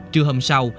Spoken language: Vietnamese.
trưa hôm sau